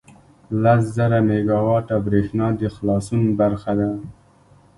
لس زره میګاوټه بریښنا د خلاصون برخه ده.